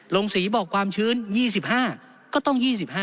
ลงสีบอกความชื้น๒๕ก็ต้อง๒๕